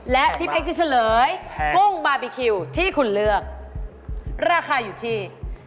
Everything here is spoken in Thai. และพี่เป๊กจะเฉลยกุ้งบาร์บีคิวที่คุณเลือกราคาอยู่ที่